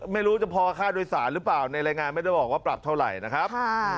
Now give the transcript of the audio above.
ไม่รู้จะพอค่าโดยสารหรือเปล่าในรายงานไม่ได้บอกว่าปรับเท่าไหร่นะครับ